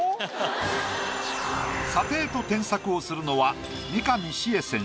査定と添削をするのは。